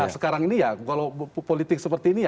sekarang ini kalau politik seperti ini